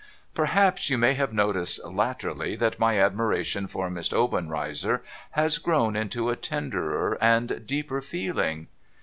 ' Perhaps you may have noticed, latterly, that my admiration for Miss Obenreizer has grown into a tenderer and deeper feeling